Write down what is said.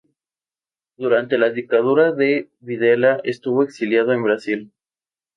Durante la dictadura de Videla estuvo exiliado en Brasil.